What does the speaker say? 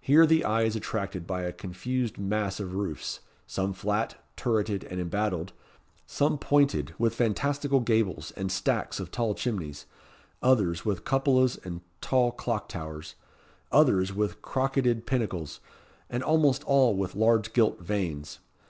Here the eye is attracted by a confused mass of roofs, some flat, turreted and embattled, some pointed, with fantastical gables and stacks of tall chimneys others with cupolas and tall clock towers others with crocketed pinnacles, and almost all with large gilt vanes.